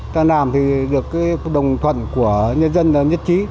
ta làm thì được cái đồng thuận của nhân dân nhất trí